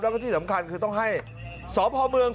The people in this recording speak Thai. แล้วก็ที่สำคัญคือต้องให้สพเมือง